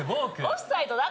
オフサイドだって。